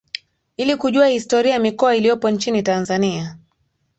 ili kujua historia ya mikoa iliyopo nchini Tanzania